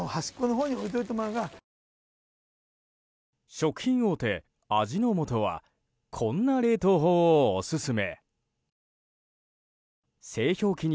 食品大手・味の素はこんな冷凍法をオススメ。